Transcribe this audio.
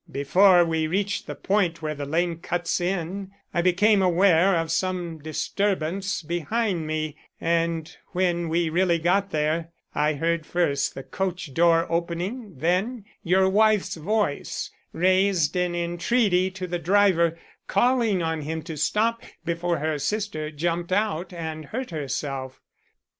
Before we reached the point where the lane cuts in, I became aware of some disturbance behind me, and when we really got there, I heard first the coach door opening, then your wife's voice, raised in entreaty to the driver, calling on him to stop before her sister jumped out and hurt herself.